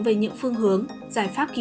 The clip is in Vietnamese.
về những phương hướng